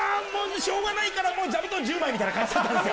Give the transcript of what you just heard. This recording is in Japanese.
しょうがないから、もう座布団１０枚みたいな感じなんですよ。